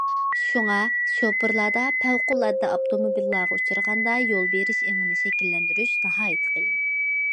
شۇڭا شوپۇرلاردا پەۋقۇلئاددە ئاپتوموبىللارغا ئۇچرىغاندا يول بېرىش ئېڭىنى شەكىللەندۈرۈش ناھايىتى قېيىن.